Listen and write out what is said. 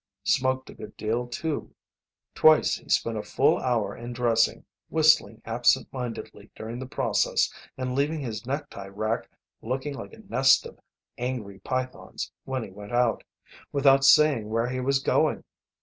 Smoked a good deal, too. Twice he spent a full hour in dressing, whistling absent mindedly during the process and leaving his necktie rack looking like a nest of angry pythons when he went out, without saying where he was going.